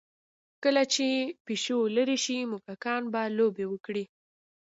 کله چې پیشو لرې شي، موږکان به لوبې وکړي.